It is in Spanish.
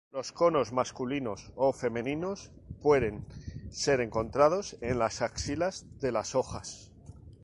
Los conos masculinos o femeninos pueden ser encontrados en las axilas de las hojas.